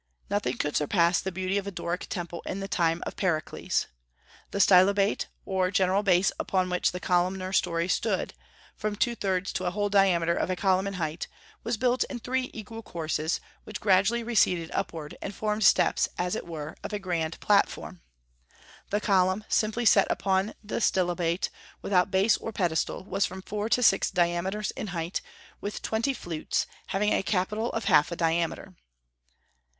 Nothing could surpass the beauty of a Doric temple in the time of Pericles. The stylobate, or general base upon which the columnar story stood, from two thirds to a whole diameter of a column in height, was built in three equal courses, which gradually receded upward and formed steps, as it were, of a grand platform. The column, simply set upon the stylobate, without base or pedestal, was from four to six diameters in height, with twenty flutes, having a capital of half a diameter.